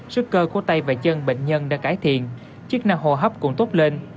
sức cơ của tay và chân bệnh nhân đã cải thiện chức năng hô hấp cũng tốt lên